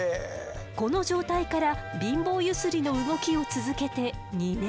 この状態から貧乏ゆすりの動きを続けて２年後。